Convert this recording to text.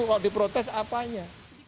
kalau diprotes apanya